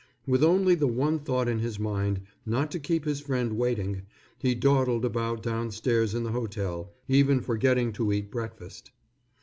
With only the one thought in his mind, not to keep his friend waiting, he dawdled about downstairs in the hotel, even forgetting to eat breakfast.